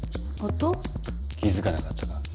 気付かなかったか？